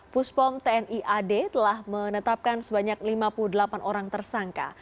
puspom tni ad telah menetapkan sebanyak lima puluh delapan orang tersangka